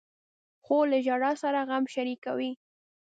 خور له ژړا سره غم شریکوي.